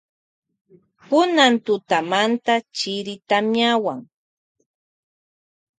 Kunan tutamanta chiri tamiawan.